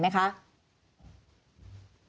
วันพุธค่ะวันพุธ